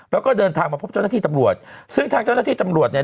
แล้วก็เดินทางมาพบเจ้าหน้าที่ตำรวจซึ่งทางเจ้าหน้าที่ตำรวจเนี่ย